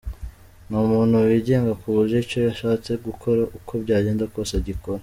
Ni umuntu wigenga ku buryo icyo yashatse gukora uko byagenda kose agikora.